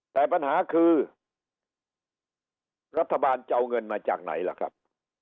แต่ปัญหาคือรัฐบาลจะเอาเงินมาจากไหนล่ะครับ